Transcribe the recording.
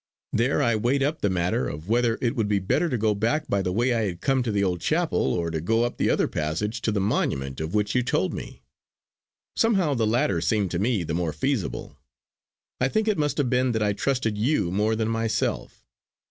There I weighed up the matter of whether it would be better to go back by the way I had come to the old chapel, or to go up the other passage to the monument of which you told me. Somehow the latter seemed to me the more feasible. I think it must have been that I trusted you more than myself.